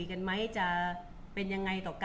คุณผู้ถามเป็นความขอบคุณค่ะ